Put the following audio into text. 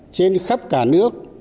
trên khắp cả nước